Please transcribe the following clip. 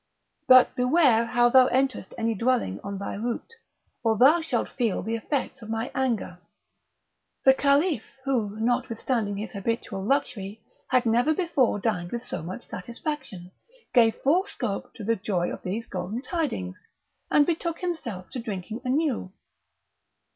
But beware how thou enterest any dwelling on thy route, or thou shalt feel the effects of my anger." The Caliph, who, notwithstanding his habitual luxury, had never before dined with so much satisfaction, gave full scope to the joy of these golden tidings, and betook himself to drinking anew.